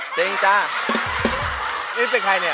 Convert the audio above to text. จริงจ้านี่เป็นใครเนี่ย